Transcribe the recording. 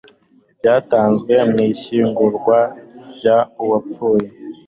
ibyatanzwe mu ishyingurwa ry uwapfuye